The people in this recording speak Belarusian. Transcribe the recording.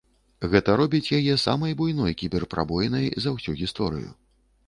Гэта робіць яе самай буйной кібер-прабоінай за ўсю гісторыю.